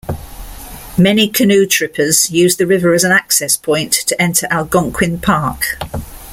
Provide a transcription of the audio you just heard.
Many canoe trippers use the river as an access point to enter Algonquin Park.